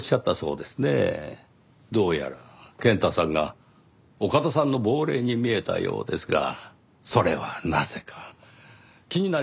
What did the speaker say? どうやら健太さんが岡田さんの亡霊に見えたようですがそれはなぜか気になりましてね。